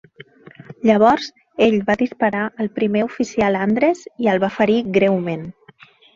Llavors, ell va disparar el Primer Oficial Andress i el va ferir greument.